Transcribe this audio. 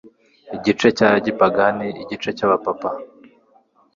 Igice cya gipagani igice cyAbapapa